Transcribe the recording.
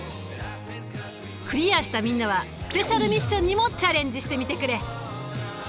クリアしたみんなはスペシャルミッションにもチャレンジしてみてくれ。